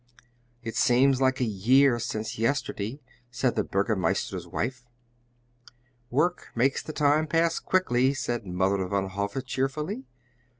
"It seems a year since yesterday," said the Burgomeister's wife. "Work makes the time pass quickly," said Mother Van Hove cheerfully.